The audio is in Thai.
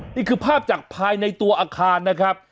นี่คือภาพจากภายในตัวอาคารนะครับ